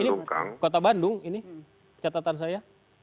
ini kota bandung ini catatan saya